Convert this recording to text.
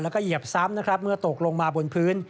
แล้วก็เหยียบซ้ำนะครับเมื่อตกลงมาบนพื้น